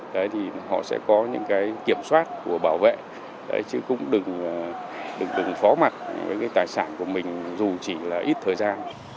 đấy thì họ sẽ có những cái kiểm soát của bảo vệ chứ cũng đừng phó mặt với cái tài sản của mình dù chỉ là ít thời gian